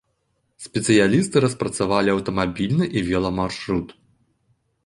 Спецыялісты распрацавалі аўтамабільны і веламаршрут.